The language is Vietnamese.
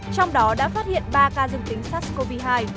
trong đó đã phát hiện ba ca dương tính sars cov hai